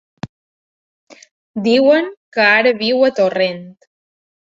Diuen que ara viu a Torrent.